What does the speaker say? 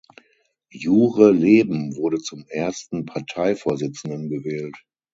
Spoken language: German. Jure Leben wurde zum ersten Parteivorsitzenden gewählt.